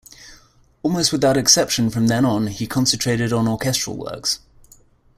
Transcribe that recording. Almost without exception from then on, he concentrated on orchestral works.